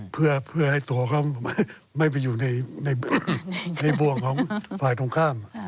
เพื่อให้ตั๋วเขาไม่อยู่ในหวงฝ่ายตรงข้าม